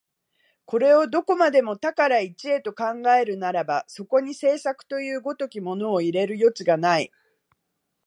これをどこまでも多から一へと考えるならば、そこに製作という如きものを入れる余地がない。